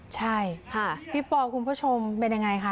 ใช่ค่ะพี่ปอคุณผู้ชมเป็นยังไงคะ